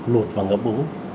lụt và ngập lũ